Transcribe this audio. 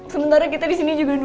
sementara kita disini juga nunggu